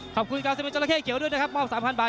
ขอบคุณกาวซิเมนจราเข้เขียวด้วยนะครับมอบ๓๐๐บาท